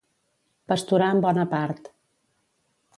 Pasturar en bona part.